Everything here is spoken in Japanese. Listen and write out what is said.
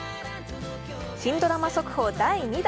新ドラマ速報第２弾。